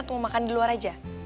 atau mau makan di luar aja